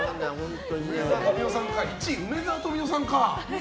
１位、梅沢富美男さんかあ。